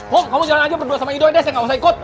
ho kamu jalan aja berdua sama ido ya deh saya nggak usah ikut